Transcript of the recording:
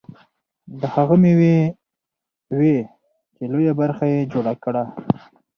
دا هغه مېوې وې چې لویه برخه یې جوړه کړه.